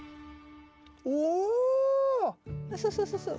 そうそうそうそう。